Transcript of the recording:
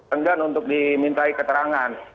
enggan untuk dimintai keterangan